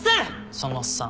そのおっさん